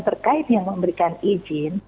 terkait yang memberikan izin